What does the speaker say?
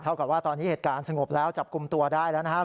กับว่าตอนนี้เหตุการณ์สงบแล้วจับกลุ่มตัวได้แล้วนะครับ